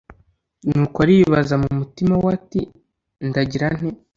nuko aribaza mu mutima we ati ndagira nte